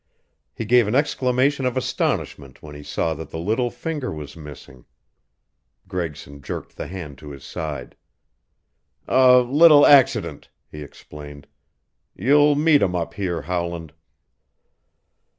He gave an exclamation of astonishment when he saw that the little finger was missing. Gregson jerked the hand to his side. "A little accident," he explained. "You'll meet 'em up here, Howland."